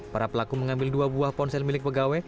para pelaku mengambil dua buah ponsel milik pegawai